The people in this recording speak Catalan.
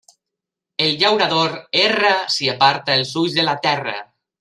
El llaurador erra si aparta els ulls de la terra.